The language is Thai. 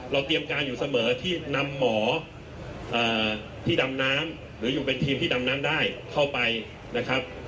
เตรียมการอยู่เสมอที่นำหมอที่ดำน้ำหรืออยู่เป็นทีมที่ดำน้ำได้เข้าไปนะครับ